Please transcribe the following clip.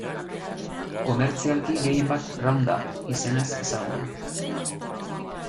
Komertzialki gehien bat Roundup izenez ezaguna.